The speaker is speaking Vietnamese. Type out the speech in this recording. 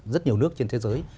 rất nhiều nước trên thế giới